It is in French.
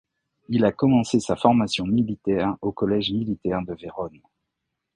Il a commencé sa formation militaire au Collège militaire de Vérone.